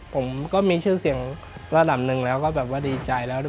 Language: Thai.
ผมก็มีชื่อเสียงระดับหนึ่งแล้วก็แบบว่าดีใจแล้วด้วย